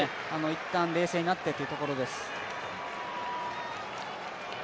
いったん冷静になってというところです。